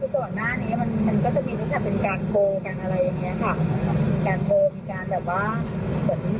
ส่วนหน้านี้มันก็จะมีรู้สึกเป็นการโทรกันอะไรอย่างนี้ค่ะ